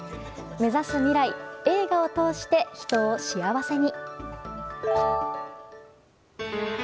目指す未来映画を通して人を幸せに。